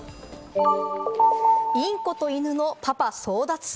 インコと犬のパパ争奪戦！